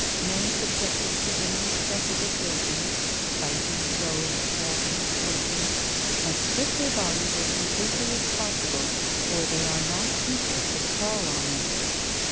Men subjected to any excessive exertion fighting, rowing, walking, working must strip their bodies as completely as possible, or they are nor equal to the call on them.